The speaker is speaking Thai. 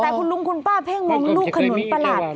แต่ลุงคุณป้ะแพ่งมองลูกขนวนปะหลาด